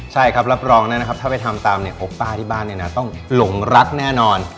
ใช่ครับรับรองนะครับถ้าไปทำตามเนี่ยโอป้าที่บ้านเนี่ยนะต้องหลงรักแน่นอน